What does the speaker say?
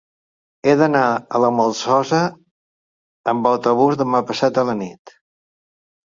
He d'anar a la Molsosa amb autobús demà passat a la nit.